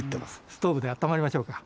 ストーブであったまりましょうか。